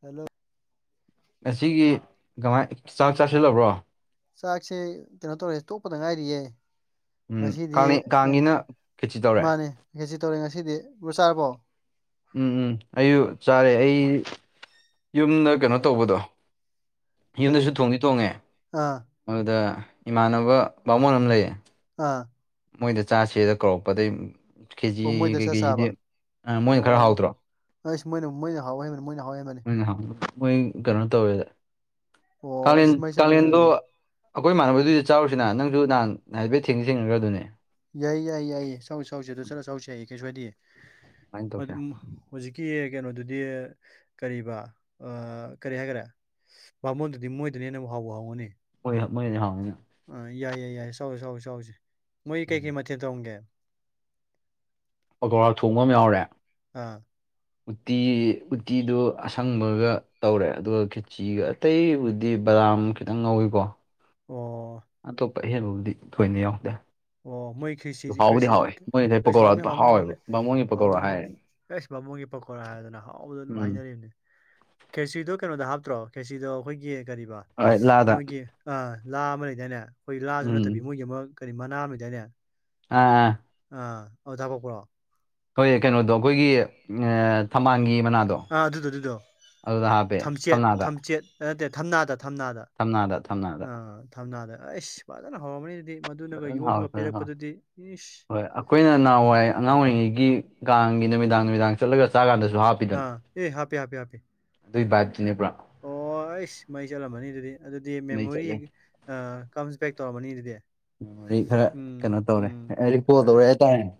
Hello ꯉꯁꯤꯒꯤ ꯀꯃꯥꯏ ꯆꯥꯛ ꯆꯥꯁꯤꯜꯂꯕ꯭ꯔꯣ ꯆꯥꯛꯁꯦ ꯀꯩꯅꯣ ꯇꯧꯔꯦ ꯇꯣꯛꯄꯗ ꯉꯥꯏꯔꯤꯌꯦ ꯎꯝ ꯉꯁꯤꯗꯤ ꯀꯥꯡ ꯀꯩ ꯀꯥꯡꯒꯤꯅ ꯈꯦꯆꯤ ꯇꯧꯔꯦ ꯃꯥꯅꯦ ꯈꯦꯁꯤ ꯇꯧꯔꯦ ꯉꯁꯤꯗꯤ ꯕ꯭ꯔꯣ ꯆꯥꯔꯕꯣ ꯎꯝ ꯑꯩꯁꯨ ꯆꯥꯔꯦ ꯑꯩ ꯌꯨꯝꯗ ꯀꯩꯅꯣ ꯇꯧꯕꯗꯣ ꯀꯔꯤ ꯌꯨꯝꯗꯁꯨ ꯊꯣꯡꯗꯤ ꯊꯣꯡꯉꯦ ꯑꯥ ꯑꯗꯨꯗ ꯏꯃꯥꯟꯅꯕ ꯕꯥꯃꯣꯟ ꯑꯃ ꯂꯩꯌꯦ ꯑꯥ ꯃꯣꯏꯗ ꯆꯥꯥꯁꯦꯗ ꯀꯧꯔꯛꯄ ꯑꯗꯩ ꯈꯦꯆꯤ ꯑꯣ ꯃꯣꯏꯗ ꯆꯥꯛ ꯀꯩꯀꯩꯁꯤꯗꯤ ꯃꯣꯏꯅ ꯈꯔ ꯍꯥꯎꯗ꯭ꯔꯣ ꯑꯁ ꯃꯣꯏꯅ ꯃꯣꯏꯅ ꯍꯥꯎ ꯍꯦꯟꯕꯅꯤ ꯃꯣꯏꯅ ꯍꯥꯎ ꯍꯩꯕꯅꯤ ꯃꯣꯏ ꯀꯩꯅꯣ ꯇꯧꯋꯦꯗ ꯑꯣ ꯀꯥꯡꯂꯦꯟ ꯑꯁ ꯃꯩ ꯆꯠꯂꯦ ꯀꯩꯅꯣ ꯀꯥꯡꯂꯦꯟꯗꯣ ꯑꯗꯨꯗꯤ ꯑꯈꯣꯏ ꯏꯃꯥꯟꯅꯕꯗꯨꯗꯤ ꯆꯥꯎꯔꯨꯁꯤꯅ ꯅꯪꯁꯨ ꯅꯍꯥꯟ ꯍꯥꯏꯐꯦꯠ ꯊꯦꯡꯗꯤ ꯊꯦꯡꯅꯈ꯭ꯔꯗꯨꯅꯤ ꯌꯥꯏ ꯌꯥꯏ ꯌꯥꯏ ꯆꯥꯎꯁꯤ ꯆꯥꯎꯁꯤ ꯑꯗꯨꯗ ꯆꯠꯂ ꯆꯥꯎꯁꯤ ꯌꯥꯏꯌꯦ ꯀꯩꯁꯨ ꯀꯥꯏꯗꯤ ꯑꯗꯨꯃꯥꯏꯅ ꯇꯧꯁꯦ ꯑꯗꯨ ꯍꯧꯖꯤꯛꯀꯤ ꯀꯩꯅꯣꯗꯨꯗꯤ ꯀꯔꯤꯕ ꯑꯥ ꯀꯔꯤ ꯍꯥꯏꯒ꯭ꯔꯦ ꯕꯥꯃꯣꯟꯗꯨꯗꯤ ꯃꯣꯏꯗꯅ ꯍꯦꯟꯅꯕꯨ ꯍꯥꯎꯕꯨ ꯍꯥꯎꯒꯅꯤ ꯍꯣꯏ ꯃꯣꯏꯗ ꯍꯥꯎꯅꯤ ꯑꯥ ꯌꯥꯏ ꯌꯥꯏ ꯌꯥꯏ ꯆꯥꯎꯖꯤ ꯆꯥꯎꯖꯤ ꯆꯥꯎꯖꯤ ꯃꯣꯏ ꯎꯝ ꯀꯩꯀꯩ ꯃꯊꯦꯜ ꯇꯧꯔꯝꯒꯦ ꯄꯀꯧꯔꯥ ꯊꯣꯡꯕ ꯑꯃ ꯌꯥꯎꯔꯦ ꯑꯥ ꯎꯇꯤ ꯎꯇꯤꯗꯨ ꯑꯁꯪꯕꯒ ꯇꯧꯔꯦ ꯑꯗꯨꯒ ꯈꯦꯆꯤꯒ ꯑꯇꯩꯕꯨꯗꯤ ꯕꯗꯥꯝ ꯈꯤꯇꯪ ꯉꯧꯋꯤꯀꯣ ꯑꯣ ꯑꯇꯣꯞꯄ ꯑꯍꯦꯟꯕꯕꯨꯗꯤ ꯊꯣꯏꯅ ꯌꯥꯎꯇꯦ ꯑꯣ ꯃꯣꯢ ꯈꯦꯆꯤ ꯈ꯭ꯔꯦꯆ꯭ꯔꯤꯁꯤ ꯃꯣꯏꯒꯤꯗꯩ ꯀ ꯍꯥꯎꯅꯤ ꯄꯀꯧꯔꯥꯗꯣ ꯍꯥꯎꯅꯤ ꯍꯥꯎꯅꯤ ꯍꯥꯎꯋꯦꯕ ꯕꯥꯃꯣꯟꯒꯤ ꯍꯥꯎꯅꯤ ꯄꯀꯧꯔꯥ ꯍꯥꯎꯅꯤ ꯍꯥꯏꯔꯦ ꯑꯦꯁ ꯕꯥꯃꯣꯟꯒꯤ ꯄꯀꯧꯔꯥ ꯍꯥꯏꯔꯦꯗꯅ ꯍꯥꯎꯕꯗ ꯑꯗꯨ ꯎꯝ ꯍꯥꯏꯅꯔꯤꯅꯤ ꯈꯦꯆꯤꯗꯣ ꯀꯩꯅꯣꯗ ꯍꯥꯞꯇ꯭ꯔꯣ ꯈꯦꯆꯤꯗꯣ ꯑꯩꯈꯣꯏꯒꯤ ꯀꯔꯤꯕ ꯍꯣꯏ ꯂꯥꯗ ꯃꯣꯏꯒꯤ ꯑꯥ ꯂꯥ ꯑꯃ ꯂꯩꯗꯥꯏꯅꯦ ꯑꯈꯣꯏ ꯂꯥꯁꯨ ꯎꯝ ꯅꯠꯇꯕꯤ ꯃꯣꯏꯒꯤ ꯑꯃ ꯀꯔꯤ ꯃꯅꯥ ꯑꯃ ꯂꯩꯗꯥꯏꯅꯦ ꯑꯥ ꯑꯥ ꯑꯥ ꯑꯗꯨꯗ ꯍꯥꯄꯛꯄ꯭ꯔꯣ ꯍꯣꯏ ꯀꯩꯅꯣꯗꯣ ꯑꯈꯣꯏꯒꯤ ꯊꯝꯕꯥꯜꯒꯤ ꯃꯅꯥꯗꯣ ꯑꯥ ꯑꯗꯨꯗꯣ ꯑꯗꯨꯗꯣ ꯑꯗꯨꯗ ꯍꯥꯞꯄꯦ ꯊꯝꯆꯦꯠ ꯊꯝꯅꯥꯗ ꯊꯝꯆꯦꯠ ꯅꯠꯇꯦ ꯊꯝꯅꯥꯗ ꯊꯝꯅꯥꯗ ꯊꯝꯅꯥꯗ ꯊꯝꯅꯥꯗ ꯑꯥ ꯊꯝꯅꯥꯗ ꯑꯩꯁ ꯐꯖꯅ ꯍꯧꯔꯝꯃꯅꯤ ꯑꯗꯨꯗꯤ ꯃꯗꯨꯅꯒ ꯐꯖꯅ ꯌꯣꯝꯃꯒ ꯄꯤꯔꯛꯄꯗꯨꯗꯤ ꯏꯁ ꯈꯣꯏꯅ ꯅꯍꯥꯟꯋꯥꯏ ꯑꯉꯥꯡ ꯑꯣꯏꯔꯤꯉꯩꯒꯤ ꯀꯥꯡꯒꯤ ꯅꯨꯃꯤꯗꯥꯡ ꯅꯨꯃꯤꯗꯥꯡ ꯆꯠꯂꯒ ꯆꯥꯒꯥꯟꯗꯁꯨ ꯍꯥꯞ ꯑꯥ ꯑꯦ ꯍꯥꯄꯤ ꯍꯥꯄꯤ ꯍꯥꯄꯤ ꯑꯗꯨꯏ ꯕꯥꯢꯞꯇꯨꯅꯤ ꯄꯨꯔꯥ ꯑꯣ ꯑꯩꯁ ꯃꯩ ꯆꯠꯂꯝꯃꯅꯤ ꯑꯗꯨꯗꯤ ꯑꯗꯨꯗꯤ ꯃꯩ ꯃꯦꯃꯣꯔꯤ ꯆꯠꯂꯦ ꯀꯝꯁ ꯕꯦꯛ ꯇꯧꯔꯝꯃꯅꯤ ꯑꯗꯨꯗꯤ ꯔꯤ ꯈꯔ ꯎꯝ ꯀꯩꯅꯣ ꯇꯧꯔꯦ ꯎꯝ ꯔꯤ ꯀꯣꯜ ꯇꯧꯔꯦ ꯑꯁ ꯍꯥꯏꯇꯥꯔꯦꯅꯦ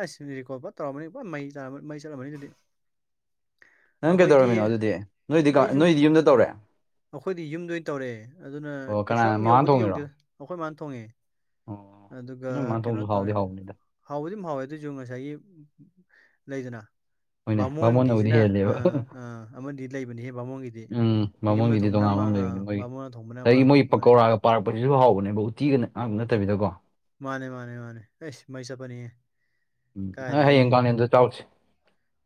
ꯑꯁ ꯔꯤꯀꯣꯜ ꯐꯅ ꯇꯧꯔꯝꯃꯅꯤ ꯄꯣꯔꯥ ꯃꯩ ꯆꯥ ꯃꯩ ꯆꯠꯂꯝꯃꯅꯤ ꯑꯗꯨꯗꯤ ꯅꯪ ꯑꯩꯈꯣꯏꯗꯤ ꯀꯩꯗꯧꯔꯝꯃꯤꯅꯣ ꯑꯗꯨꯗꯤ ꯅꯣꯏꯗꯤ ꯀꯥ ꯅꯣꯏꯗꯤ ꯌꯨꯝꯗ ꯇꯧꯔꯦ ꯑꯈꯣꯏꯗꯤ ꯌꯨꯝꯗ ꯑꯣꯏ ꯇꯧꯔꯦ ꯑꯗꯨꯅ ꯑꯣ ꯀꯩꯁꯨ ꯀꯅꯥꯅ ꯌꯥꯝ ꯃꯃꯥꯅ ꯌꯧꯕꯨꯗꯤ ꯊꯣꯡꯉꯤꯔꯣ ꯌꯧꯗꯦꯗ ꯑꯈꯣꯏ ꯃꯥꯅ ꯊꯣꯡꯉꯦ ꯑꯣ ꯑꯗꯨꯒ ꯅꯣꯏ ꯃꯥꯅ ꯀꯩꯅꯣ ꯊꯣꯡꯁꯨ ꯍꯥꯎꯗꯤ ꯇꯧꯔꯦ ꯍꯥꯎꯕꯅꯤꯗ ꯍꯥꯎꯕꯗꯤꯝ ꯍꯥꯎꯋꯦ ꯑꯗꯨꯏꯖꯨ ꯉꯁꯥꯏꯒꯤ ꯂꯩꯗꯅ ꯍꯣꯏꯅꯦ ꯕꯥꯃꯣꯟꯅꯕꯨꯗꯤ ꯕꯥꯃꯣꯟꯒꯤꯖꯤꯅ ꯑ ꯍꯦꯜꯂꯦꯕ ꯑ ꯑꯃꯗꯤ ꯂꯩꯕꯅꯤꯍꯦ ꯕꯥꯃꯣꯟꯒꯤ ꯎꯝ ꯕꯥꯃꯣꯟꯒꯤꯗꯤ ꯇꯣꯉꯥꯟꯕ ꯑꯝ ꯂꯩꯕꯅꯦ ꯃꯣꯏꯒꯤ ꯕꯥꯃꯣꯟꯅ ꯊꯣꯡꯕꯅ ꯑꯃ ꯗꯒꯤ ꯃꯣꯏꯒꯤ ꯑꯃ ꯂꯩ ꯄꯀꯣꯔꯥꯒ ꯄꯥꯔꯛꯄꯖꯤꯖꯨ ꯍꯥꯎꯕꯅꯦꯕ ꯎꯠ ꯇꯤꯒ ꯅ ꯑ ꯅꯠꯇꯕꯤꯗꯀꯣ ꯃꯥꯅꯦ ꯃꯥꯅꯦ ꯃꯥꯅꯦ ꯑꯩꯁ ꯃꯩ ꯆꯠꯄꯅꯤꯍꯦ ꯎꯝ ꯅꯪ ꯀꯥꯏꯗꯒꯤ ꯍꯌꯦꯡ ꯀꯥꯡꯂꯦꯟꯗ ꯆꯥꯎꯁꯤ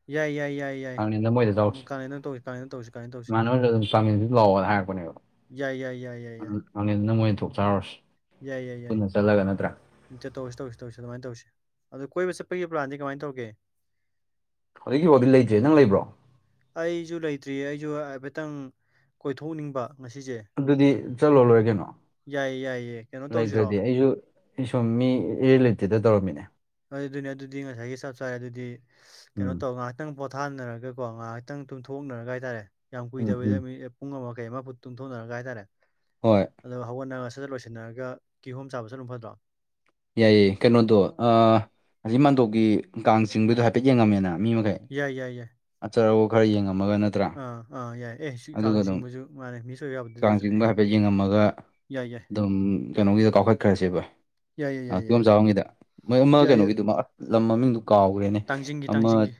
ꯌꯥꯏ ꯌꯥꯏ ꯌꯥꯏ ꯌꯥꯏ ꯀꯥꯡꯂꯦꯟꯗ ꯃꯣꯏꯗ ꯆꯥꯎꯁꯤ ꯀꯥꯟꯅꯅ ꯇꯧꯁꯤ ꯀꯥꯟꯅꯅ ꯇꯧꯁꯤ ꯀꯥꯟꯅꯅ ꯇꯧꯁꯤ ꯏꯃꯥꯟꯅꯕ ꯗꯨꯝ ꯀꯥꯡꯂꯦꯟꯗꯤ ꯂꯥꯛꯑꯣꯅ ꯍꯥꯏꯔꯛ ꯄꯅꯦꯕ ꯌꯥꯏ ꯌꯥꯏ ꯌꯥꯏ ꯌꯥꯏ ꯌꯥꯏ ꯑꯗꯨ ꯀꯥꯡꯂꯦꯟꯗ ꯃꯣꯏ ꯊꯣꯛ ꯆꯥꯎꯔꯁꯤ ꯌꯥꯏ ꯌꯥꯏ ꯌꯥꯏ ꯆꯇꯧ ꯇꯧꯁꯤ ꯇꯧꯁꯤ ꯇꯧꯁꯤ ꯑꯗꯨꯃꯥꯏ ꯇꯧꯁꯤ ꯑꯗꯣ ꯀꯣꯏꯕ ꯆꯠꯄꯒꯤ ꯄ꯭ꯂꯥꯟꯗꯤ ꯀꯃꯥꯏ ꯇꯧꯔꯒꯦ ꯍꯧꯖꯤꯛꯀꯤ ꯋꯥꯗꯤ ꯂꯩꯇ꯭ꯔꯤ ꯅꯪ ꯂꯩꯕ꯭ꯔꯣ ꯑꯩꯖꯨ ꯂꯩꯇ꯭ꯔꯤꯌꯦ ꯑꯩꯖꯨ ꯍꯥꯏꯐꯦꯠꯇꯪ ꯀꯣꯏꯊꯣꯛꯅꯤꯡꯕ ꯉꯁꯤꯖꯦ ꯑꯗꯨꯗꯤ ꯆꯠꯂꯣ ꯂꯣꯏ ꯀꯩꯅꯣ ꯌꯥꯏꯌꯦ ꯀꯩꯅꯣ ꯇꯧꯁꯤꯔꯣ ꯂꯩꯇ꯭ꯔꯗꯤ ꯑꯩꯖꯨ ꯑꯩ ꯁꯨꯝ ꯃꯤ ꯏꯔꯩ ꯂꯩꯇꯦꯗ ꯇꯧꯔꯝꯃꯤꯅꯦ ꯑꯗꯨꯗꯤꯅꯦ ꯑꯗꯨꯗꯤ ꯉꯁꯥꯏꯒꯤ ꯆꯞ ꯆꯥꯔꯦ ꯑꯗꯨꯗꯤ ꯀꯩꯅꯣ ꯎꯝ ꯇꯧ ꯉꯍꯥꯛ ꯉꯥꯛꯇꯪ ꯄꯣꯊꯥꯅꯔꯒꯀꯣ ꯉꯥꯍꯥꯛꯇꯪ ꯇꯨꯝꯊꯣꯛꯅꯔꯒ ꯍꯥꯏꯇꯥꯔꯦ ꯌꯥꯝ ꯎꯝ ꯎꯝ ꯀꯨꯏꯗꯕꯤꯗ ꯃꯤꯅꯤꯠ ꯄꯨꯡ ꯑꯃ ꯀꯩ ꯑꯃ ꯐꯨꯠ ꯇꯨꯝꯊꯣꯛꯅꯔꯒ ꯍꯥꯏꯇꯥꯔꯦ ꯍꯣꯏ ꯑꯗꯨꯒ ꯍꯧꯒꯠꯅꯔ ꯁꯖꯠ ꯂꯣꯏꯁꯟꯅꯔꯒ ꯀꯤꯍꯣꯝ ꯆꯥꯕ ꯆꯠꯂꯨ ꯐꯗ꯭ꯔꯣ ꯌꯥꯏꯌꯦ ꯀꯩꯅꯣꯗꯣ ꯑꯥ ꯑꯁꯤ ꯃꯥꯟꯗꯣꯞꯀꯤ ꯀꯥꯡ ꯆꯤꯡꯕꯩꯗꯣ ꯍꯥꯏꯐꯦꯠ ꯌꯦꯡꯉꯝꯃꯦꯅ ꯃꯤ ꯃꯈꯩ ꯌꯥꯏ ꯌꯥꯏ ꯌꯥꯏ ꯑꯆ ꯑꯋꯣꯛ ꯈꯔ ꯌꯦꯡꯉꯝꯃꯒ ꯅꯠꯇ꯭ꯔꯥ ꯑ ꯑ ꯌꯥꯏ ꯑꯦ ꯁꯤ ꯑꯗꯨꯒ ꯀꯥꯡ ꯑꯗꯨꯝ ꯆꯤꯡꯕꯖꯨ ꯃꯥꯟꯅꯦ ꯃꯤꯁ ꯑꯣꯏ ꯌꯥꯄꯣꯠꯇꯦ ꯑꯗꯨꯖꯨ ꯃꯒ ꯗꯨꯝ ꯀꯩꯅꯣꯒꯤꯗ ꯀꯥꯎꯈꯠꯈ꯭ꯔꯁꯦꯕ ꯌꯥꯏ ꯌꯥꯏ ꯑ ꯌꯥꯏ ꯀꯤꯌꯣꯝ ꯌꯥꯏ ꯆꯥꯐꯝꯒꯤꯗ ꯃꯣꯏ ꯑꯃ ꯌꯥꯏ ꯌꯥꯏ ꯀꯩꯅꯣꯒꯤꯗꯨ ꯂꯝ ꯃꯃꯤꯡꯗꯨ ꯀꯥꯎꯒ꯭ꯔꯦꯅꯦ ꯇꯥꯡꯖꯤꯡꯒꯤ ꯇꯥꯡꯖꯤꯡꯒꯤ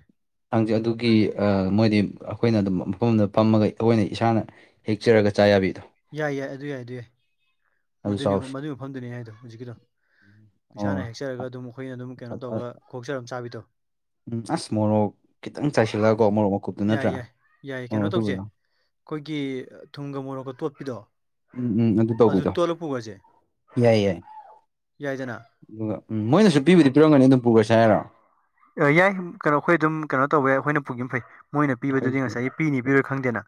ꯇꯥꯡꯖꯤꯡ ꯑꯗꯨꯒꯤ ꯑ ꯃꯣꯏꯗꯤ ꯑꯈꯣꯏꯅ ꯑꯗꯨꯝ ꯃꯐꯝ ꯑꯃꯗ ꯐꯝꯃꯒ ꯑꯈꯣꯏꯅꯥ ꯏꯁꯥꯅ ꯍꯦꯛꯆꯔꯒ ꯆꯥ ꯌꯥꯕꯤꯗꯣ ꯌꯥꯏ ꯌꯥꯏ ꯑꯗꯨ ꯌꯥꯏ ꯑꯗꯨ ꯌꯥꯏ ꯑꯗꯨ ꯃꯗꯨꯅꯤ ꯆꯥꯎꯁꯤ ꯃꯗꯨꯏ ꯃꯐꯝꯗꯨꯅꯤ ꯍꯥꯏꯗꯣ ꯍꯧꯖꯤꯛꯀꯤꯗꯣ ꯑꯣ ꯏꯁꯥꯅ ꯍꯦꯛꯆꯔꯒ ꯑꯗꯨꯝ ꯑꯩꯈꯣꯏꯅ ꯑꯗꯨꯝ ꯀꯩꯅꯣ ꯇꯧꯔꯒ ꯈꯣꯛꯆꯔꯒ ꯆꯥꯕꯤꯗꯣ ꯎꯝ ꯑꯁ ꯃꯣꯔꯣꯛ ꯈꯤꯇꯪ ꯆꯥꯏꯁꯤꯜꯂꯒꯀꯣ ꯃꯣꯔꯣꯛ ꯃꯀꯨꯞꯇꯣ ꯌꯥꯏ ꯅꯠꯇ꯭ꯔꯥ ꯌꯥꯏ ꯌꯥꯏ ꯃꯣꯔꯣꯛ ꯀꯩꯅꯣ ꯇꯧꯁꯦ ꯑꯁꯨꯨꯕꯗꯣ ꯑꯩꯈꯣꯏꯒꯤ ꯊꯨꯝꯒ ꯃꯣꯔꯣꯛꯀ ꯇꯣꯠꯄꯤꯗꯣ ꯎꯝ ꯎꯝ ꯑꯗꯨ ꯇꯧꯕꯤꯗꯣ ꯇꯣꯠꯂ ꯄꯨꯈ꯭ꯔꯁꯦ ꯌꯥꯏ ꯌꯥꯏ ꯌꯥꯏꯗꯅ ꯑꯗꯨꯒ ꯎꯝ ꯃꯣꯏꯅꯁꯨ ꯄꯤꯕꯨꯗꯤ ꯄꯤꯔꯝꯒꯅꯤ ꯑꯗꯨꯝ ꯄꯨꯒꯔꯁꯤ ꯍꯥꯏꯔꯣ ꯑꯦ ꯌꯥꯏ ꯀꯩꯅꯣ ꯈꯣꯏ ꯗꯨꯝ ꯀꯅꯣ ꯇꯧꯕ ꯌꯥꯏ ꯑꯩꯈꯣꯏꯅ ꯄꯨꯒꯤꯝꯅꯥ ꯐꯩ ꯃꯣꯏꯅ ꯄꯤꯕꯗꯨꯗꯤ ꯑꯩꯈꯣꯏ ꯉꯁꯥꯏꯒꯤ ꯄꯤꯅꯤ ꯄꯤꯔꯣꯏ ꯈꯪꯗꯦꯅꯥ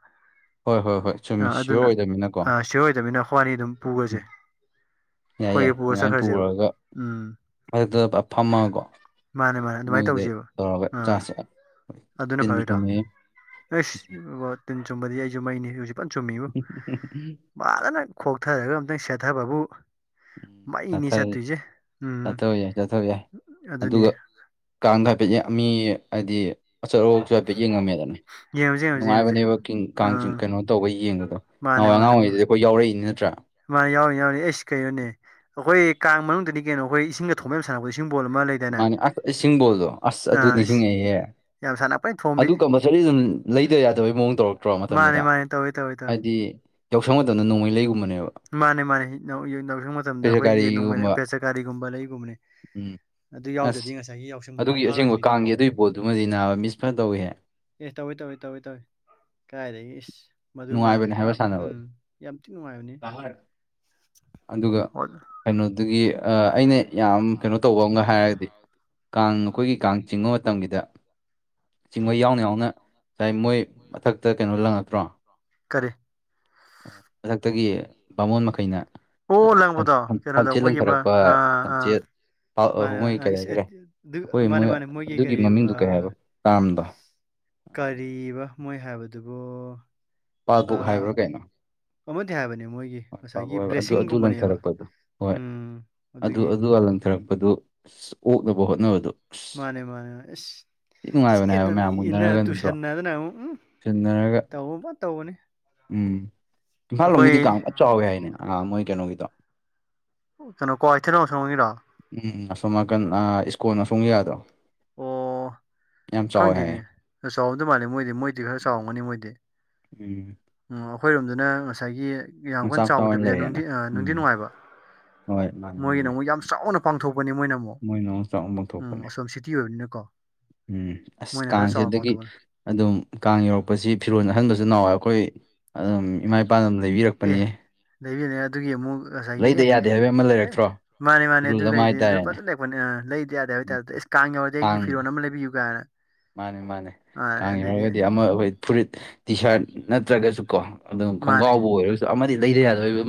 ꯍꯣꯏ ꯍꯣꯏ ꯍꯣꯏ ꯑ ꯆꯨꯝꯃꯤ ꯁꯤꯌꯣꯔ ꯑꯗꯨꯅ ꯑꯣꯏꯗꯕꯅꯤꯅꯀꯣ ꯑ ꯁꯤꯑꯣꯔ ꯑꯣꯏꯗꯝꯅꯤꯅ ꯑꯈꯣꯏꯕꯅꯤ ꯑꯗꯨꯝ ꯄꯨꯒ꯭ꯔꯖꯦ ꯎꯝ ꯌꯥꯏ ꯌꯥꯏ ꯑꯩꯈꯣꯏꯒꯤ ꯄꯨꯔ ꯑꯗꯨꯃꯥꯏꯅ ꯆꯠꯈ꯭ꯔꯖꯦꯕ ꯄꯨꯔꯒ ꯎꯝ ꯃꯊꯛꯇ ꯐꯝꯃꯒꯀꯣ ꯃꯥꯟꯅꯦ ꯃꯥꯟꯅꯦ ꯑꯗꯨꯃꯥꯏ ꯃꯣꯏꯗꯩ ꯇꯧꯖꯦꯕ ꯇꯧꯔꯒ ꯑ ꯆꯥꯁꯦ ꯍꯣꯏ ꯑꯗꯨꯅ ꯆꯤꯟꯕꯨ ꯐꯔꯣꯏꯗ꯭ꯔꯣ ꯆꯨꯝꯃꯦ ꯑꯩꯁ ꯕꯣ ꯇꯤꯟ ꯆꯨꯝꯕꯗꯤ ꯑꯩꯖꯨ ꯃꯩꯅꯤ ꯍꯧꯖꯤꯛ ꯐꯥꯅꯥ ꯆꯨꯝꯃꯤꯕꯣ ꯐꯥꯖꯅꯥ ꯈꯣꯛꯊꯔꯒ ꯑꯝꯇꯪ ꯁꯦꯠꯊꯕꯕꯨ ꯃꯩꯅꯤ ꯆꯥꯊꯔ ꯆꯠꯇꯨꯏꯖꯦ ꯎꯝ ꯆꯥꯊꯕ ꯌꯥꯏ ꯑꯗꯨꯅꯤ ꯀꯥꯡꯒ ꯐꯖꯩ ꯃꯤ ꯍꯥꯏꯗꯤ ꯑꯆꯠ ꯑꯋꯣꯛꯁꯨ ꯍꯥꯏꯄꯦꯠ ꯌꯦꯡꯉꯝꯃꯦꯗꯅꯥ ꯌꯦꯡꯉꯨꯁꯦ ꯌꯦꯡꯉꯨꯁꯦ ꯌꯦꯡꯉꯨꯁꯦ ꯅꯨꯡꯉꯥꯏꯕꯅꯦꯕ ꯀꯤꯡ ꯀꯥꯡ ꯆꯤꯡ ꯑꯥ ꯀꯩꯅꯣ ꯇꯧꯕꯩ ꯌꯦꯡꯕꯗꯣ ꯅꯍꯟꯋꯥꯏ ꯑꯉꯥꯡ ꯑꯣꯏꯔꯤꯉꯩꯗꯗꯤ ꯑꯈꯣꯏ ꯌꯥꯎꯔꯛꯏꯅꯤ ꯅꯠꯇ꯭ꯔꯥ ꯃꯥꯟꯅꯤ ꯌꯥꯎꯏ ꯌꯥꯎꯏꯅꯤ ꯑꯩꯁ ꯀꯩꯅꯣꯅꯦ ꯑꯈꯣꯏ ꯀꯥꯡ ꯃꯅꯨꯡꯗꯅꯤ ꯀꯩꯅꯣ ꯑꯈꯣꯏ ꯏꯁꯤꯡꯒ ꯊꯣꯝꯅ ꯁꯥꯟꯅꯕꯗꯣ ꯏꯁꯤꯡꯕꯣꯜ ꯑꯃ ꯂꯩ ꯃꯥꯟꯅꯤ ꯑꯁ ꯏꯁꯤꯡꯕꯣꯜꯗꯣ ꯑꯁ ꯑꯗꯨ ꯏꯁ ꯅꯤꯡꯁꯤꯡꯉꯛꯏꯍꯦ ꯌꯥꯝ ꯁꯥꯟꯅꯄꯩ ꯊꯣꯝꯕꯤ ꯑꯗꯨ ꯀꯝꯕꯜ ꯁꯥꯔꯤ ꯑꯗꯨꯝ ꯂꯩꯗ ꯌꯥꯗꯕꯩ ꯃꯑꯣꯡ ꯇꯧꯔꯛꯇ꯭ꯔꯣ ꯃꯥꯅꯦ ꯃꯇꯝꯗꯨꯗ ꯃꯥꯅꯦ ꯇꯧꯋꯦ ꯇꯧꯋꯦ ꯇꯧꯋꯦ ꯍꯥꯏꯗꯤ ꯌꯥꯎꯁꯪ ꯃꯇꯝꯗ ꯅꯣꯡꯃꯩ ꯂꯩꯒꯨꯝꯕꯅꯦꯕ ꯃꯥꯅꯦ ꯃꯥꯅꯦ ꯌꯥ ꯌꯥꯎꯁꯪ ꯃꯇꯝꯗ ꯑꯩꯈꯣꯏꯒꯤ ꯅꯣꯡꯃꯩ ꯄꯦꯁꯀꯥꯔꯤꯒꯨꯝꯕ ꯄꯦꯆꯀꯒꯥꯔꯤꯒꯨꯝꯕ ꯂꯩꯒꯨꯝꯕꯅꯦ ꯎꯝ ꯑꯗꯨ ꯑꯁ ꯌꯥꯎꯗ꯭ꯔꯗꯤ ꯉꯁꯥꯏꯒꯤ ꯌꯥꯎꯁꯪ ꯃꯄꯨꯡ ꯑꯗꯨꯒꯤ ꯑꯁꯦꯡꯕ ꯐꯥꯔꯣꯏꯗꯣꯏꯅꯤꯗꯣ ꯑꯃꯨꯛ ꯀꯥꯡꯒꯤ ꯑꯗꯨꯒꯤ ꯕꯣꯜꯗꯨꯃꯗꯤ ꯅꯥꯕ ꯃꯤꯁ ꯐꯖꯅ ꯇꯧꯏꯍꯦ ꯑꯦ ꯇꯧꯋꯦ ꯇꯧꯋꯦ ꯇꯧꯋꯦ ꯇꯧꯋꯦ ꯀꯥꯏꯗꯒꯤ ꯏꯁ ꯃꯗꯨꯃ ꯅꯨꯡꯉꯥꯏꯕꯅꯦ ꯄꯨꯔꯥ ꯍꯥꯏꯕ ꯎꯝ ꯁꯥꯟꯅꯕꯗꯣ ꯌꯥꯝ ꯊꯤꯅꯥ ꯅꯨꯡꯉꯥꯏꯕꯅꯤ ꯑꯗꯨꯒ ꯑꯣ ꯀꯩꯅꯣꯗꯨꯒꯤ ꯑꯩꯅ ꯌꯥꯝ ꯀꯩꯅꯣ ꯇꯧꯕ ꯑꯃꯒ ꯍꯥꯏꯔꯗꯤ ꯀꯥꯡ ꯑꯩꯈꯣꯏꯒꯤ ꯀꯥꯡ ꯆꯤꯡꯕ ꯃꯇꯝꯒꯤꯗ ꯆꯤꯡꯕ ꯌꯥꯎꯅ ꯌꯥꯎꯅ ꯉꯁꯥꯏ ꯃꯣꯏ ꯃꯊꯛꯇ ꯀꯩꯅꯣ ꯂꯪꯉꯛꯇ꯭ꯔꯣ ꯀꯔꯤ ꯃꯊꯛꯇꯒꯤ ꯕꯥꯃꯣꯟ ꯃꯈꯩꯅ ꯑꯣ ꯑꯥ, ꯂꯪꯕꯗꯣ ꯊꯝ- ꯊꯝ- ꯀꯩꯅꯣꯗꯣ ꯊꯝꯆꯦꯠ ꯃꯣꯢꯒꯤ ꯃ ꯂꯪꯊꯔꯛꯄ ꯑꯥ ꯑꯥ ꯊꯝꯆꯦꯠ ꯄꯥꯜ- ꯑ, ꯃꯥꯅꯦ ꯃꯣꯏ ꯃꯥꯅꯦ ꯀꯔꯤ ꯏꯁ ꯁꯦ ꯍꯥꯏꯈꯔꯦ ꯗꯨ ꯑꯩꯈꯣꯏ ꯃꯣꯏ ꯃꯥꯅꯦ ꯃꯣꯏꯒꯤ ꯑꯗꯨꯒꯤ ꯀꯔꯤ ꯃꯃꯤꯡꯗꯨ ꯀꯩ ꯑꯥ ꯍꯥꯏꯕ ꯇꯥꯝꯗꯣ ꯀꯔꯤꯕ ꯃꯣꯏ ꯍꯥꯏꯕꯗꯨꯕꯨ ꯄꯥꯜꯕꯨꯛ ꯑꯥ ꯍꯥꯏꯕ꯭ꯔꯥ ꯀꯩꯅꯣ ꯑꯃꯗꯤ ꯍꯥꯏꯕꯅꯤ ꯃꯣꯏꯒꯤ ꯍꯣꯏ ꯉꯁꯥꯏꯒꯤ ꯄꯥꯕꯨꯛ ꯍꯥꯏꯕ꯭ꯔꯥ ꯑꯗꯨ ꯑꯗꯨ ꯕ꯭ꯂꯦꯁꯤꯡꯒꯨꯝꯕꯅꯦꯕ ꯂꯪꯊꯔꯛꯄꯗꯣ ꯍꯣꯏ ꯎꯝ ꯑꯗꯨꯒꯤ ꯑꯗꯨꯒ ꯂꯪꯊꯔꯛꯄꯗꯨ ꯑꯗꯨ ꯑꯣꯛꯅꯕ ꯍꯣꯠꯅꯕꯗꯨ ꯃꯥꯅꯦ ꯃꯥꯅꯦ ꯏꯁ ꯍꯥꯏꯕ ꯆꯦꯟꯗꯅ ꯃꯌꯥꯝ ꯏꯟꯅ ꯇꯨꯁꯤꯟꯅꯗꯅ ꯑꯃꯨꯛ ꯎꯝ ꯏꯅꯔꯒ ꯇꯧꯕꯣ ꯐꯖꯅ ꯇꯧꯕꯅꯤ ꯎꯝ ꯏꯝꯐꯥꯜ ꯑꯩꯈꯣꯏ ꯂꯣꯝꯒꯤꯗꯤ ꯀꯥꯡ ꯐꯖꯟ ꯆꯥꯎꯋꯤ ꯍꯥꯏꯅꯦ ꯑꯥ ꯃꯣꯏꯒꯤ ꯀꯩꯅꯣꯒꯤꯗꯣ ꯀꯩꯅꯣ ꯀ꯭ꯋꯥꯛꯀꯩꯊꯦꯜ ꯑꯁꯣꯝꯒꯤꯔꯣ ꯎꯝ ꯑꯁꯣꯝ ꯅꯥꯀꯟ ꯑꯥ ꯏꯁꯀꯣꯟ ꯑꯁꯣꯝꯒꯤꯒꯗꯣ ꯑꯣ ꯌꯥꯝ ꯆꯥꯎꯋꯦ ꯍꯥꯏꯌꯦ ꯈꯪꯗꯦꯅꯦ ꯆꯥꯎꯔꯝꯗꯧ ꯃꯥꯜꯂꯦ ꯃꯣꯏꯗꯤ ꯃꯣꯏꯗꯤ ꯈꯔ ꯆꯥꯎꯔꯝꯒꯅꯤ ꯃꯣꯏꯗꯤ ꯎꯝ ꯑꯥ ꯑꯈꯣꯏꯔꯣꯝꯗꯅ ꯉꯁꯥꯏꯒꯤ ꯌꯥꯝ ꯃꯆꯥ ꯀꯟꯅ ꯃꯆꯥ ꯑꯣꯏꯅ ꯆꯥꯎꯗꯕꯤꯗ ꯂꯩꯔꯦꯅ ꯅꯨꯡꯗꯤ ꯎꯝ ꯅꯨꯡꯗꯤ ꯅꯨꯡꯉꯥꯏꯕ ꯍꯣꯏ ꯃꯥꯅꯤ ꯃꯣꯏꯒꯤꯅ ꯃꯥꯅꯤ ꯑꯃꯨꯛ ꯌꯥꯝ ꯆꯥꯎꯅ ꯄꯥꯡꯊꯣꯛꯄꯅꯤ ꯃꯣꯏꯅ ꯑꯃꯨꯛ ꯃꯣꯏꯅ ꯆꯥꯎꯅ ꯎꯝ ꯄꯥꯡꯊꯣꯛꯄꯅꯦ ꯑꯁꯣꯝ ꯁꯤꯇꯤ ꯑꯣꯏꯕꯅꯤꯅꯀꯣ ꯎꯝ ꯑꯁ ꯃꯣꯏꯅ ꯈꯔ ꯀꯥꯡꯁꯤ ꯆꯥꯎꯅ ꯍꯟꯗꯛꯀꯤ ꯄꯥꯡꯊꯣꯛꯄꯅꯦ ꯑꯗꯨꯝ ꯀꯥꯡ ꯌꯧꯔꯛꯄꯁꯤ ꯐꯤꯔꯣꯜ ꯑꯍꯟꯕꯁꯨ ꯅꯥꯍꯋꯥꯢ ꯑꯩꯈꯣꯏ ꯑꯗꯨꯝ ꯏꯃꯥ ꯏꯄꯥꯅ ꯑꯗꯨꯝ ꯂꯩꯕꯤꯔꯛ ꯄꯅꯤ ꯂꯩꯕꯤꯔꯛꯑꯦ ꯑꯗꯨꯒꯤ ꯑꯃꯨꯛ ꯉꯁꯥꯏꯒꯤ ꯑꯦ ꯍꯥꯏꯕ ꯑꯃ ꯑꯦ ꯂꯩꯔꯛꯇ꯭ꯔꯣ ꯃꯥꯅꯦ ꯃꯥꯅꯦ ꯔꯨꯜ ꯑꯗꯨ ꯑꯃ ꯂꯩꯗꯤ ꯑꯗꯨ ꯍꯥꯏꯇꯥꯔꯦꯅꯦ ꯐꯖꯅ ꯂꯩꯗ ꯌꯥꯗꯦ ꯍꯥꯏꯕꯩ ꯇꯥꯏꯞꯇ ꯑꯩꯁ ꯀꯥꯡ ꯌꯧꯔꯗꯤ ꯑꯩꯒꯤ ꯐꯤꯔꯣꯟ ꯑꯃ ꯂꯩꯕꯤꯌꯨ ꯀꯥꯏꯅ ꯃꯥꯅꯦ ꯃꯥꯅꯦ ꯑ ꯀꯥꯡ ꯑꯗꯩꯗꯤ ꯌꯧꯔꯒꯗꯤ ꯑꯃ ꯑꯩꯈꯣꯏ ꯐꯨꯔꯤꯠ ꯇꯤ ꯁꯥꯔꯠ ꯅꯠꯇ꯭ꯔꯒꯁꯨ ꯀꯣ ꯑꯗꯨꯝ ꯃꯥꯅꯦ ꯈꯣꯡꯒꯥꯎꯕꯨ ꯑꯣꯏꯔꯣ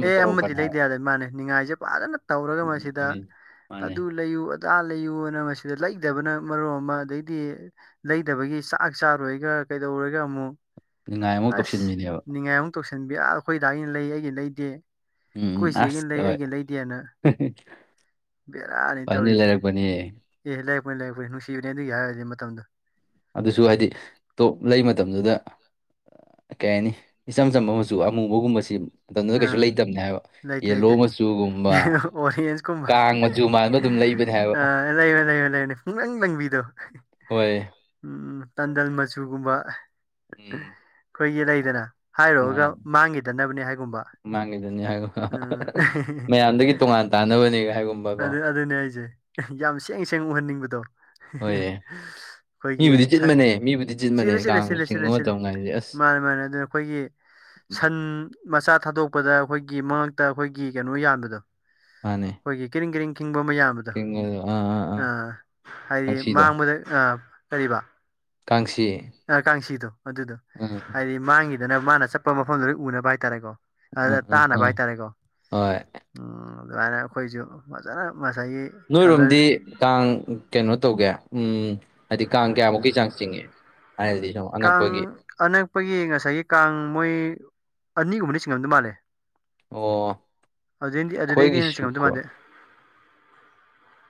ꯑꯦ ꯑꯃꯗꯤ ꯂꯩꯗ ꯌꯥꯗꯦ ꯃꯥꯅꯦ ꯅꯤꯉꯥꯏꯁꯦ ꯐꯖꯅ ꯇꯧꯔꯒ ꯎꯝ ꯃꯁꯤꯗ ꯍꯥꯏ ꯃꯥꯅꯦ ꯑꯗꯨ ꯂꯩꯌꯨ ꯑꯗꯥ ꯂꯩꯌꯨꯅ ꯃꯁꯤꯗ ꯂꯩꯗꯕꯅ ꯃꯔꯣꯟ ꯑꯃ ꯑꯗꯩꯗꯤ ꯂꯩꯗꯕꯒꯤ ꯆꯥꯛ ꯆꯥꯔꯣꯏꯒ ꯀꯩꯗꯧꯔꯒ ꯑꯃꯨꯛ ꯅꯤꯡꯉꯥꯏ ꯑꯃꯨꯛ ꯑꯁ ꯇꯧꯁꯤꯟꯕꯤꯅꯦꯕ ꯅꯤꯡꯉꯥꯏ ꯑꯃꯨꯛ ꯇꯧꯁꯟꯕꯤ ꯑꯩꯈꯣꯏꯗꯥꯥꯒꯤꯅ ꯂꯩ ꯑꯩꯒꯤꯅꯥ ꯂꯩꯗꯦ ꯎꯝ ꯎꯝ ꯑꯈꯣꯢ ꯑꯁ ꯆꯦꯒꯤꯅ ꯂꯩ ꯍꯣꯏ ꯑꯩꯒꯤꯅꯥ ꯂꯩꯗꯦꯅ ꯕꯦꯔꯥꯅꯤ ꯐꯅꯤ ꯇꯧꯔꯤꯁꯦ ꯂꯩꯔꯛꯄꯅꯤꯍꯦ ꯑꯦ ꯂꯩꯔꯛꯄꯅꯤ ꯂꯩꯔꯛꯄꯅꯤ ꯅꯨꯡꯁꯤꯕꯅꯦ ꯑꯗꯨꯒꯤ ꯍꯥꯏꯔꯨꯔꯥꯗꯤ ꯃꯇꯝꯗꯣ ꯑꯗꯨꯁꯨ ꯍꯥꯏꯗꯤ ꯇꯣꯞ ꯂꯩ ꯃꯇꯝꯗꯨꯗ ꯀꯩ ꯍꯥꯏꯅꯤ ꯏꯆꯝ ꯆꯝꯕ ꯃꯆꯨ ꯑꯃꯨꯕꯒꯨꯝꯕꯁꯤ ꯃꯇꯝꯗꯨꯗ ꯀꯩꯁꯨ ꯑꯥ ꯂꯩꯇꯝꯅꯦ ꯍꯥꯏꯕ ꯂꯩꯇꯦ ꯌꯦꯜꯂꯣ ꯂꯩꯇꯦ ꯃꯆꯨꯒꯨꯝꯕ ꯀꯥꯡ ꯃ ꯑ ꯂꯩꯕꯅꯤ ꯂꯩꯕꯅꯦ ꯂꯩꯕꯥꯅꯦ ꯄꯨꯡꯂꯪ ꯂꯪꯕꯤꯗꯣ ꯍꯣꯏ ꯎꯝ ꯇꯟꯗꯜ ꯃꯆꯨꯒꯨꯝꯕ ꯎꯝ ꯑꯈꯣꯏꯒꯤ ꯂꯩꯗꯅ ꯍꯥꯏꯔꯨꯔꯒ ꯃꯥꯅꯦ ꯃꯥꯡꯒꯤꯗꯅꯕꯅꯦ ꯍꯥꯏꯒꯨꯝꯕ ꯃꯥꯡꯉꯤꯗꯨꯅꯤ ꯎꯝ ꯍꯥꯏꯕꯒꯨꯝꯕꯥꯀꯣ ꯃꯌꯥꯝꯗꯒꯤ ꯇꯣꯉꯥꯟ ꯇꯥꯟꯅꯕꯅꯦ ꯍꯥꯏꯒꯨꯝꯕ ꯀꯣ ꯑꯗꯨ ꯑꯗꯨꯅꯦ ꯍꯥꯏꯖꯦ ꯌꯥꯝ ꯁꯦꯡ ꯁꯦꯡ ꯎꯍꯟꯅꯤꯡꯕꯗꯣ ꯍꯣꯏꯌꯦ ꯃꯤꯕꯨꯗꯤ ꯑꯩꯈꯣꯏꯒꯤ ꯁꯠ ꯆꯤꯟꯕꯅꯦ ꯃꯤꯕꯨꯗꯤ ꯆꯤꯟꯕꯅꯦ ꯆꯤꯂꯦ ꯆꯤꯂꯦ ꯀꯥꯡ ꯁꯤꯠꯂꯦ ꯆꯤꯡꯕ ꯁꯤꯜꯂꯤ ꯃꯇꯝ ꯀꯥꯏꯁꯦ ꯑꯁ ꯃꯥꯅꯦ ꯃꯥꯅꯦ ꯑꯗꯨꯅ ꯑꯩꯈꯣꯏꯒꯤ ꯁꯟ ꯃꯆꯥ ꯊꯥꯗꯣꯛꯄꯗ ꯑꯩꯈꯣꯏꯒꯤ ꯃꯉꯛꯇ ꯑꯩꯈꯣꯏꯒꯤ ꯀꯩꯅꯣ ꯌꯥꯟꯕꯗꯣ ꯃꯥꯅꯦ ꯑꯩꯈꯣꯏꯒꯤ ꯀꯦꯔꯤꯡ ꯀꯦꯔꯤꯡ ꯈꯤꯡꯕ ꯑꯃ ꯌꯥꯟꯕꯗꯣ ꯑꯥ ꯍꯥꯏꯗꯤ ꯀꯥꯡꯁꯤꯗꯣ ꯃꯥꯡꯕꯗ ꯑꯥ ꯀꯩꯕ꯫ ꯀꯥꯡꯁꯤ꯫ ꯑ ꯀꯥꯡꯁꯤꯗꯣ ꯑꯗꯨꯗꯣ ꯑꯥ ꯍꯥꯏꯗꯤ ꯃꯥꯡꯈꯤꯗꯅ ꯃꯥꯅ ꯆꯠꯄ ꯃꯐꯝꯗꯨꯗꯩ ꯎꯅꯕ ꯍꯥꯏꯇꯥꯔꯦꯀꯣ꯫ ꯑꯗ ꯑꯥ ꯑꯥ ꯇꯥꯟꯅꯕ ꯑꯥ ꯍꯥꯏꯇꯥꯔꯦꯀꯣ ꯍꯣꯏ ꯎꯝ ꯑꯗꯥꯏꯅ ꯑꯈꯣꯏꯁꯨ ꯐꯖꯅ ꯉꯁꯥꯏꯒꯤ ꯅꯣꯏꯔꯣꯝꯗꯤ ꯀꯂꯔ ꯀꯥꯡ ꯀꯩꯅꯣ ꯇꯧꯒꯦ ꯎꯝ ꯍꯥꯏꯗꯤ ꯀꯥꯡ ꯀꯌꯥꯃꯨꯛꯀꯤ ꯆꯥꯡ ꯆꯤꯡꯉꯤ ꯍꯥꯏꯍꯜꯂꯤꯅꫭ꯫ ꯀꯥꯡ ꯑꯅꯛꯄꯒꯤ ꯉꯁꯥꯏꯒꯤ ꯀꯥꯡ ꯃꯣꯏ ꯑꯅꯤꯒꯨꯝꯕꯗꯤ ꯆꯤꯡꯉꯝꯗꯧ ꯃꯥꯜꯂꯦ꯫ ꯑꯣ ꯑꯗꯨꯗꯩꯗꯤ ꯑꯗꯨꯗꯩꯗꯤ ꯍꯦꯟꯅ ꯆꯤꯡꯉꯝꯗꯧ ꯑꯩꯈꯣꯏꯒꯤꯁꯨꯀꯣ ꯃꯥꯥꯟꯗꯦ꯫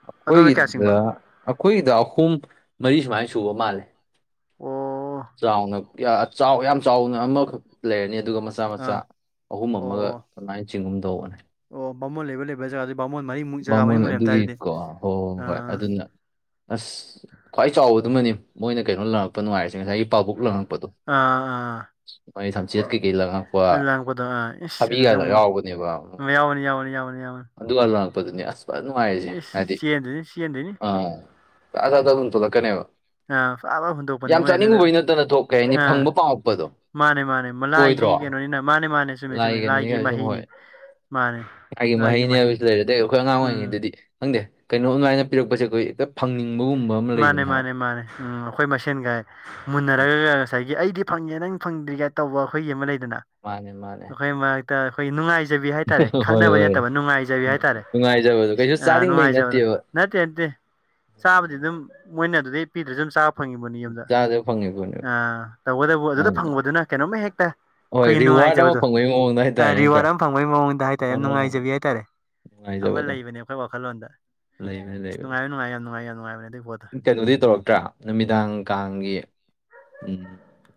ꯑꯩꯈꯣꯏꯒꯤꯗ ꯑꯩꯈꯣꯏꯒꯤꯗ ꯑꯍꯨꯝ ꯃꯔꯤ ꯁꯨꯃꯥꯏꯅ ꯁꯨꯕ ꯃꯥꯜꯂꯦ꯫ ꯑꯣ ꯆꯥꯎꯅ ꯆꯥꯎ ꯌꯥꯝ ꯆꯥꯎꯅ ꯑꯃꯈꯛ ꯂꯩꯔꯅꯤ ꯑꯗꯨꯒ ꯃꯆꯥ-ꯃꯆꯥ ꯑꯥ ꯑꯍꯨꯝ ꯑꯃꯒ ꯑꯣ ꯑꯗꯨꯃꯥꯏꯅ ꯆꯤꯡꯒꯨꯝ ꯇꯧꯕꯅꯦ꯫ ꯑꯣ ꯕꯥꯃꯣꯜ ꯂꯩꯕ ꯂꯩꯕ ꯖꯒꯥꯗꯤ ꯕꯥꯃꯣꯜ ꯃꯔꯤꯝ ꯕꯥꯃꯣꯜ ꯑꯗꯨꯒꯤꯀꯣ ꯍꯣꯏ ꯍꯣꯏ ꯍꯣꯏ ꯑꯥ ꯑꯗꯨꯅ ꯑꯁ ꯈ꯭ꯋꯥꯏ ꯆꯥꯎꯕꯗꯨꯃꯅꯤ ꯃꯣꯏꯅ ꯀꯩꯅꯣ ꯂꯪꯉꯛꯄ ꯅꯨꯡꯉꯥꯏꯔꯤꯁꯦ ꯉꯁꯥꯏꯒꯤ ꯄꯥꯕꯨꯛ ꯂꯪꯉꯛꯄꯗꯣ꯫ ꯑꯥ ꯑꯥ꯫ [inaudible] ꯂꯥꯡꯕꯗꯣ ꯑ ꯏꯁ ꯊꯕꯤꯒ ꯑꯗꯨꯗ ꯑꯃꯨꯛ ꯌꯥꯎꯕꯅꯦꯕ ꯃ ꯌꯥꯎꯅꯤ ꯌꯥꯎꯅꯤ ꯌꯥꯎꯅꯤ ꯌꯥꯎꯅꯤ꯫ ꯑꯗꯨꯒ ꯂꯥꯛꯄꯗꯨꯅꯤ ꯑꯁ ꯐꯖꯅ ꯅꯨꯡꯉꯥꯏꯔꯤꯁꯦ ꯍꯥꯏꯗꯤ ꯆꯦꯟꯗꯣꯏꯅꯤ ꯆꯦꯟꯗꯣꯏꯅꯤ ꯑꯥ꯫ [inaudible] ꯑꯗꯨꯝ ꯇꯣꯛꯂꯛꯀꯅꯦꯕ꯫ ꯑꯥ ꯐꯥ ꯐꯥ ꯍꯨꯟꯗꯣꯛꯄꯅꯦ ꯌꯥꯝ ꯃꯣꯏ ꯑꯗꯨꯗ ꯆꯥꯅꯤꯡꯉꯨꯕꯩ ꯅꯠꯇꯅ ꯊꯣꯛ ꯀꯩ ꯍꯥꯏꯅꯤ ꯑꯥ ꯐꯪꯕ ꯄꯥꯝꯃꯛꯄꯗꯣ꯫ ꯃꯥꯅꯦ ꯃꯥꯅꯦ ꯃ ꯂꯥꯏꯒꯤ ꯑꯣꯏꯗ꯭ꯔꯣ ꯀꯩꯅꯣꯅꯤꯅ ꯃꯥꯅꯦ ꯃꯥꯅꯦ ꯆꯨꯝꯃꯦ ꯆꯨꯝꯃꯦ ꯂꯥꯏ ꯀꯩꯅꯣꯅꯤ ꯂꯥꯏꯒꯤ ꯀꯥꯏ ꯁꯨꯝ ꯃꯍꯩꯅꯤ ꯍꯣꯏ ꯃꯥꯅꯦ꯫ ꯂꯥꯏꯒꯤ ꯃꯍꯩꯅꯦ ꯍꯥꯏꯕꯁꯤ ꯂꯩꯔꯦ ꯑꯗꯩ ꯑꯩꯈꯣꯏ ꯑꯉꯥꯡ ꯎꯝ ꯑꯣꯏꯔꯤꯉꯩꯗꯗꯤ ꯈꯪꯗꯦ ꯀꯩꯅꯣ ꯃꯥꯏꯅ ꯄꯤꯔꯛꯄꯁꯦ ꯑꯈꯣꯏ ꯍꯦꯛꯇ ꯐꯪꯅꯤꯡꯕꯒꯨꯝ ꯃꯥꯅꯦ ꯃꯥꯅꯦ ꯃꯥꯅꯦ ꯎꯝ ꯑꯩꯈꯣꯏ ꯃꯁꯦꯟꯒꯥꯏ ꯃꯨꯟꯅꯔꯒ ꯉꯁꯥꯏꯒꯤ ꯑꯩꯗꯤ ꯐꯪꯉꯦ ꯅꯪ ꯐꯪꯗ꯭ꯔꯤꯒꯥꯏ ꯇꯧꯕ ꯑꯩꯈꯣꯏꯒꯤ ꯑꯃ ꯂꯩꯗꯅ꯫ ꯃꯥꯅꯦ ꯃꯥꯅꯦ꯫ ꯇ ꯑꯈꯣꯏ ꯅꯨꯡꯉꯥꯏꯖꯕꯤ ꯍꯥꯏꯇꯥꯔꯦ ꯍꯣꯏ ꯈꯠꯅꯕꯗꯤ ꯍꯣꯏ ꯅꯠꯇꯕ ꯅꯨꯡꯉꯥꯏꯖꯕꯤ ꯍꯥꯏꯇꯥꯔꯦ ꯅꯨꯡꯉꯥꯏꯖꯕꯗꯣ ꯀꯩꯁꯨ ꯁ ꯑ ꯆꯥꯅꯤꯡꯕꯩ ꯅꯨꯡꯉꯥꯏꯖꯕꯗꯣ꯫ ꯅꯠꯇꯦꯕ ꯅꯠꯇꯦ-ꯅꯠꯇꯦ ꯆꯥꯕꯗꯤ ꯑꯗꯨꯝ ꯃꯣꯏꯅ ꯂꯦꯞꯄꯤꯗꯨꯁꯨ ꯑꯗꯨꯝ ꯆꯥꯕ ꯐꯪꯉꯤꯕꯅꯤ ꯌꯨꯝꯗ ꯆꯥꯗ ꯐꯪꯉꯤ ꯄꯣꯠꯅꯦꯕ ꯑ ꯇꯧꯕꯗꯕꯨ ꯑꯗꯨꯗ ꯎꯝ. ꯐꯪꯕꯗꯨꯅ ꯀꯩꯅꯣꯝꯃ ꯍꯦꯛꯇ ꯍꯣꯏ ꯈꯣꯏꯒꯤ ꯔꯤꯋꯥꯔꯗ ꯑꯃ ꯅꯨꯡꯉꯥꯏꯖꯕꯗꯣ ꯐꯪꯕꯒꯤ ꯃꯑꯣꯡꯗ ꯍꯥꯏꯇꯥꯔꯦ ꯅꯠꯇ꯭ꯔꯥ ꯔꯤꯋꯥꯔꯗ ꯑꯃ ꯐꯪꯕꯒꯤ ꯃꯑꯣꯡꯗ ꯍꯥꯏꯇꯥꯔꯦ ꯌꯥꯝ ꯑꯗꯨꯅ ꯅꯨꯡꯉꯥꯏꯖꯕꯤ ꯍꯥꯏꯇꯥꯔꯦ꯫ ꯑꯃ ꯂꯩꯕꯅꯦ ꯑꯩꯈꯣꯏ ꯋꯥꯈꯜꯂꯣꯟꯗ꯫ ꯂꯩꯕꯅꯤ ꯑꯁ ꯂꯩꯕꯅꯤ꯫ ꯅꯨꯡꯉꯥꯏꯕ ꯅꯨꯡꯉꯥꯏ ꯌꯥꯝ ꯅꯨꯡꯉꯥ ꯌꯥꯝ ꯅꯨꯡꯉꯥꯏꯕꯅꯦ ꯑꯗꯨꯏ ꯄꯣꯠꯇꯣ꯫ ꯀꯩꯅꯣꯗꯤ ꯇꯧꯔꯛꯇ꯭ꯔꯥ ꯅꯨꯃꯤꯗꯥꯡ ꯀꯥꯡꯒꯤ ꯎꯝ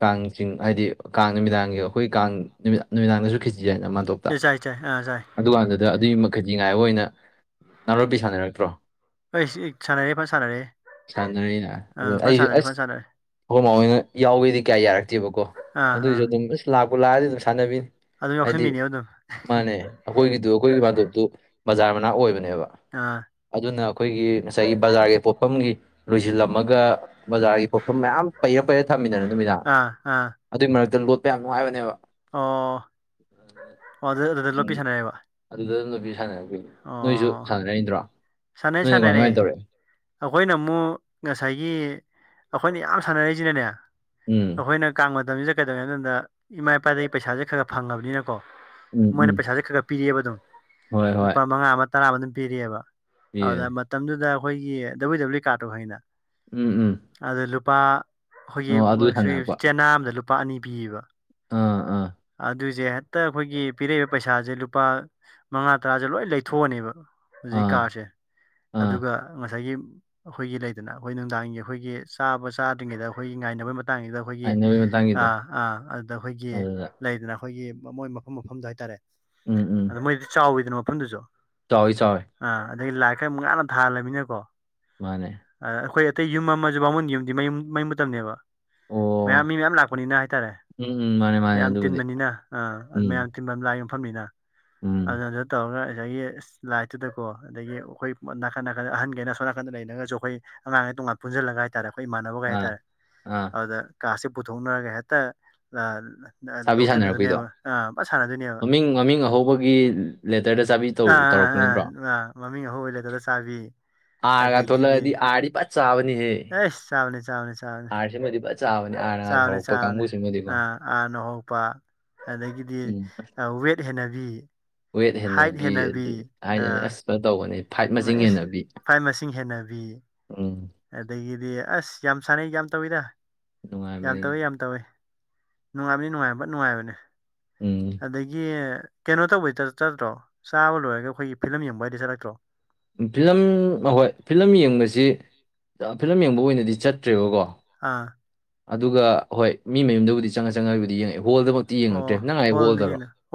ꯀꯥꯡ ꯆꯤꯡ ꯍꯥꯏꯗꯤ ꯀꯥꯡ ꯅꯨꯃꯤꯗꯥꯡꯒꯤ ꯑꯩꯈꯣꯏ ꯀꯥꯡ ꯅꯨꯃꯤꯗꯥꯡ ꯅꯨꯃꯤꯗꯥꯡꯗꯁꯨ ꯈꯤꯆꯤ ꯆꯥꯏꯅ ꯑꯃ ꯇꫭꯞ ꯂꫭꯏ ꯆꯥꯏ ꯆꯥꯏ ꯑꯥ ꯆꯥꯏ꯫ ꯑꯗꯨꯀꯥꯟꯗꯨꯗ ꯑꯗꯨꯒꯤ ꯃꯈꯩ ꯈꯦꯆꯤ ꯉꯥꯏꯕ ꯑꯣꯏꯅ ꯅꯥꯔꯣꯄꯤ ꯁꯥꯟꯅꯔꯛꯇ꯭ꯔꯣ꯫ ꯑꯩꯁ ꯏꯛ ꯁꯥꯟꯅꯔꯦ ꯐꯖꯅ ꯁꯥꯟꯅꯔꯦ꯫ ꯁꯥꯟꯅꯔꯤꯅ ꯑꯗꯨ ꯑꯥ ꯐꯖ ꯑꯩꯁꯨ ꯁꯥꯟꯅꯔꯦ ꯑꯁ ꯐꯖ ꯁꯥꯟꯅꯔꯦ ꯑꯈꯣꯏ ꯃꯥ ꯍꯣꯏꯅ ꯌꯥꯎꯒꯦꯗꯤ ꯀꯌꯥ ꯌꯥꯔꯛꯇꯦꯕꯀꯣ ꯑꯥ ꯑꯥ ꯑꯗꯨꯑꯣꯏꯁꯨ ꯑꯗꯨꯝ ꯑꯁ ꯂꯥꯛꯄꯨ ꯂꯥꯛꯑꯗꯤ ꯑꯗꯨꯝ ꯁꯥꯟꯅꯕꯤꯅꯤ꯫ ꯑꯗꯨꯝ ꯍꯥꯏꯗꯤ ꯌꯥꯎꯁꯟꯕꯤꯅꯦꯕ ꯑꯗꯨꯝ꯫ ꯃꯥꯅꯦ ꯑꯩꯈꯣꯏꯒꯤꯗꯨ ꯑꯩꯈꯣꯏꯒꯤ ꯄꯥꯟꯊꯣꯞꯇꯨ ꯕꯖꯥꯔ ꯃꯅꯥꯛ ꯑꯣꯏꯕꯅꯦꯕ꯫ ꯑꯥ꯫ ꯑꯗꯨꯅ ꯑꯩꯈꯣꯏꯒꯤ ꯉꯁꯥꯏꯒꯤ ꯕꯖꯥꯔꯒꯤ ꯄꯣ ꯐꯝꯒꯤ ꯂꯣꯏꯖꯤꯜꯂꯝꯃꯒ ꯕꯖꯥꯔꯒꯤ ꯄꯣꯐꯝ ꯃꯌꯥꯝ ꯄꯩꯔ ꯄꯩꯔ ꯊꯝꯃꯤꯗꯅ ꯅꯨꯃꯤꯗꯥꯡ ꯑꯥ ꯑꯥ ꯑꯗꯨꯏ ꯃꯔꯛꯇ ꯂꯣꯠꯄ ꯌꯥꯝ ꯅꯨꯡꯉꯥꯏꯕꯅꯦꯕ ꯑꯣ ꯑꯗꯨꯗ ꯑꯗꯨꯗ ꯂꯣꯠꯄꯤ ꯁꯥꯟꯅꯩꯌꯦꯕ ꯑꯗꯨꯗ ꯂꯣꯄꯤ ꯁꯥꯟꯅꯔꯛꯏ ꯅꯣꯏꯁꯨ ꯁꯥꯟꯅꯅꯤꯡꯗ꯭ꯔꯣ ꯁꯥꯅꯩ ꯁꯥꯅꯔꯦ ꯑꯩꯈꯣꯏꯅ ꯑꯃꯨꯛ ꯉꯁꯥꯏꯒꯤ ꯑꯩꯈꯣꯏꯅ ꯌꯥꯝ ꯁꯥꯟꯅꯔꯛꯏꯖꯤꯅꯅꯦ ꯎꯝ ꯑꯩꯈꯣꯏꯅ ꯀꯥꯡ ꯃꯇꯝꯁꯤꯗ ꯀꯩꯗꯧꯒꯦ ꯍꯥꯏꯀꯥꯟꯗ ꯏꯃꯥ ꯏꯄꯥꯗꯩ ꯄꯩꯁꯥꯁꯦ ꯈꯔ ꯐꯪꯉꯝꯅꯤꯅꯀꯣ ꯎꯝ ꯎꯝ ꯃꯣꯏꯅ ꯄꯩꯁꯥꯁꯦ ꯈꯔ ꯄꯤꯔꯑꯦꯕ ꯑꯗꯨꯝ ꯍꯣꯏ ꯍꯣꯏ ꯂꯨꯄꯥ ꯃꯉꯥ ꯑꯃꯥ ꯇꯔꯥ ꯑꯃꯥ ꯑꯗꯨꯝ ꯄꯤꯔꯑꯦꯕ ꯄꯤꯕꯅꯤ ꯑꯗꯨꯗ ꯃꯇꯝꯗꯨꯗ ꯑꯈꯣꯏꯒꯤ ꯗꯕ꯭ꯂꯤꯎ ꯗꯕ꯭ꯂꯤꯎ ꯏ ꯀꯥꯔꯠꯇꯨ ꯈꯪꯉꯦꯗꯅ ꯎꯝ ꯎꯝ ꯑꯗ ꯂꯨꯄꯥ ꯑꯩꯈꯣꯏꯒꯤ ꯑꯣ ꯑꯗꯨ ꯃꯁꯡ ꯁꯥꯟꯅꯔꯛꯄ ꯆꯦꯅꯥ ꯑꯝꯗ ꯂꯨꯄꯥ ꯑꯅꯤ ꯄꯤꯌꯦꯕ ꯑꯥ ꯑꯥ ꯑꯗꯨꯏꯖꯦ ꯍꯦꯛꯇ ꯑꯩꯈꯣꯏꯒꯤ ꯄꯤꯔꯛꯏꯕ ꯄꯩꯁꯥꯖꯦ ꯂꯨꯄꯥ ꯃꯉꯥ ꯇꯔꯥꯖꯦ ꯂꯣꯏ ꯂꯩꯊꯣꯛꯑꯅꯦꯕ ꯍꯧꯖꯤꯛ ꯑꯥ ꯀꯥꯟꯁꯦ ꯑꯥ ꯑꯗꯨꯒ ꯉꯁꯥꯏꯒꯤ ꯑꯈꯣꯏꯒꯤ ꯂꯩꯗꯅ ꯑꯩꯈꯣꯏ ꯅꯨꯡꯗꯥꯡꯒꯤ ꯑꯩꯈꯣꯏꯒꯤ ꯆꯥꯕ ꯆꯥꯗ꯭ꯔꯤꯉꯩꯗ ꯑꯩꯈꯣꯏꯒꯤ ꯉꯥꯏꯅꯕꯩ ꯃꯇꯥꯡꯖꯤꯗ ꯑꯈꯣꯏꯒꯤ ꯍꯥꯏꯅꯕꯒꯤ ꯑꯥ ꯃꯇꯥꯡꯒꯤꯗꯣ ꯑꯥ ꯑꯗ ꯑꯈꯣꯏꯒꯤ ꯑꯗꯨꯗ ꯂꯩꯗꯅ ꯑꯈꯣꯏꯒꯤ ꯃꯣꯏ ꯃꯐꯝ ꯃꯐꯝꯗꯣ ꯍꯥꯏꯇꯥꯔꯦ ꯎꯝ ꯎꯝ ꯑꯗꯨ ꯃꯣꯏꯗꯤ ꯆꯥꯎꯋꯤꯗꯅ ꯃꯐꯝꯗꯨꯖꯨ ꯆꯥꯎꯋꯤ ꯆꯥꯎꯋꯤ ꯑꯥ ꯑꯗꯩ ꯂꯥꯏꯠꯀ ꯃꯨꯛ ꯉꯥꯟꯅ ꯊꯥꯂꯝꯅꯤꯅꯀꯣ ꯃꯥꯅꯦ ꯑꯗ ꯑꯈꯣꯏ ꯑꯇꯩ ꯌꯨꯝ ꯃꯝꯃꯖꯨ ꯕꯥꯃꯣꯟꯒꯤ ꯌꯨꯝꯗꯤ ꯃꯩꯌꯨꯝ ꯃꯩ ꯃꯨꯠꯇꯝꯅꯦꯕ ꯑꯣ ꯃꯌꯥꯝ ꯃꯤ ꯃꯌꯥꯝ ꯂꯥꯛꯄꯅꯤꯅ ꯍꯥꯏꯇꯥꯔꯦ ꯎꯝ ꯃꯥꯅꯤ ꯃꯥꯅꯤ ꯃꯌꯥꯝ ꯇꯤꯟꯕꯅꯤꯅ ꯑꯥ ꯑꯗꯨ ꯃꯌꯥꯟ ꯈꯤꯟꯕꯝ ꯂꯥꯏ ꯌꯨꯝꯐꯝꯅꯤꯅ ꯎꯝ ꯑꯗꯨꯗ ꯇꯧꯔꯒ ꯉꯁꯥꯏꯒꯤ ꯂꯥꯏꯠꯇꯨꯗꯀꯣ ꯑꯗꯒꯤ ꯑꯈꯣꯏ ꯅꯥꯀꯟ ꯅꯥꯀꯟꯗ ꯑꯍꯟꯒꯩꯅ ꯑꯁꯣꯟ ꯅꯥꯀꯟꯗ ꯂꯩꯔꯒꯖꯨ ꯑꯩꯈꯣꯏ ꯑꯉꯥꯡꯒꯩ ꯇꯣꯉꯥꯟ ꯄꯨꯟꯖꯤꯜꯂꯒ ꯍꯥꯏꯇꯥꯔꯦ ꯑꯩꯈꯣꯏ ꯏꯃꯥꯟꯅꯕꯒꯩ ꯑꯥ ꯍꯥꯏꯇꯥꯔꯦ ꯑꯥ ꯑꯗꯨꯗ ꯀꯥꯔꯠꯁꯦ ꯄꯨꯊꯣꯛꯅꯔꯒ ꯍꯦꯛꯇ ꯑꯥꯜ ꯆꯥꯕꯤ ꯁꯥꯟꯅꯔꯛꯄꯤꯗꯣ ꯁꯥꯟꯅꯗꯣꯏꯅꯦꯕ ꯃꯃꯤꯡ ꯃꯃꯤꯡ ꯑꯍꯧꯕꯒꯤ ꯂꯦꯇꯔꯗ ꯆꯥꯕꯤ ꯑꯗꯣ ꯑꯥ ꯑꯥ ꯇꯧꯔꯛꯄ ꯑꯥ ꯅꯠꯇ꯭ꯔꯣ ꯑꯥ ꯃꯃꯤꯡ ꯑꯍꯧꯕ ꯂꯩꯇꯗ ꯆꯥꯕꯤ ꯑꯥꯔꯒ ꯑꯗꯒꯤꯗꯤ ꯊꯣꯂꯛꯑꯗꯤ ꯑꯥꯔꯗꯤ ꯐꯟ ꯆꯥꯕꯅꯤꯍꯦ ꯑꯩꯁ ꯆꯥꯕꯅꯦ ꯆꯥꯕꯅꯦ ꯑꯥꯔꯁꯤꯃꯥꯗꯤ ꯐꯖꯟ ꯆꯥ ꯆꯥꯕꯅꯤ ꯆꯥꯕꯅꯤ ꯑꯥ ꯑꯥꯔꯅ ꯍꯧꯕ ꯑꯗꯒꯤꯗꯤ ꯎꯝ ꯑꯥ ꯋꯦꯠ ꯍꯦꯟꯅꯕꯤ ꯋꯦꯠ ꯍꯦꯟꯅꯕꯤ ꯑꯗꯨ ꯍꯥꯏꯅ ꯑꯥ ꯑꯁ ꯐꯟ ꯇꯧꯕꯅꯤ ꯏꯁ ꯐꯥꯏꯠ ꯃꯁꯤꯡ ꯍꯦꯟꯅꯕꯤ ꯎꯝ ꯑꯗꯒꯤꯗꯤ ꯑꯁ ꯌꯥꯝ ꯁꯥꯟꯅꯩ ꯌꯥꯝ ꯇꯧꯋꯤꯗ ꯌꯥꯝ ꯅꯨꯡꯉꯥꯏꯕꯅꯦ ꯑꯗꯨꯝ ꯇꯧꯋꯤ ꯌꯥꯝ ꯇꯧꯋꯤ ꯅꯨꯡꯉꯥꯏꯕꯅꯤ ꯅꯨꯡꯉꯥꯏꯕꯐꯟ ꯅꯨꯡꯉꯥꯏꯕꯅꯤ ꯎꯝ ꯑꯗꯒꯤ ꯀꯩꯅꯣ ꯇꯧꯕꯩ ꯠꯜ ꯆꯠꯇ꯭ꯔꯣ ꯆꯥꯕ ꯂꯣꯏꯔꯒ ꯑꯩꯈꯣꯏꯒꯤ ꯐꯤꯂꯝ ꯌꯦꯡꯕꯒꯗꯤ ꯆꯠꯂꯛꯇ꯭ꯔꯣ ꯐꯤꯂꯝ ꯍꯣꯏ ꯐꯤꯂꯝ ꯌꯦꯡꯕꯖꯤ ꯐꯤꯂꯝ ꯌꯦꯡꯕ ꯑꯣꯏꯅꯗꯤ ꯆꯠꯇ꯭ꯔꯦꯕꯀꯣ ꯑꯥ ꯑꯗꯨꯒ ꯍꯣꯏ ꯃꯤ ꯃꯌꯨꯝꯗꯕꯨꯗꯤ ꯆꯪꯉ ꯆꯪꯉꯒꯕꯨꯗꯤ ꯌꯦꯡꯉꯑꯦ ꯍꯣꯜꯗꯃꯛꯇꯤ ꯑꯣ ꯌꯦꯡꯉꯛꯇ꯭ꯔꯦ ꯅꯪ ꯍꯥꯏ ꯍꯣꯜꯗ ꯍꯣꯜꯗꯔꯣ ꯌꯦꯡꯗ